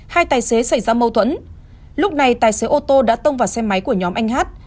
hai tài xế xảy ra mâu thuẫn lúc này tài xế ô tô đã tông vào xe máy của nhóm anh hát